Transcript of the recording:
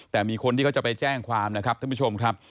แต่มีคนที่เขาจะไปแจ้งความนะครับท่านผู้ชมครับ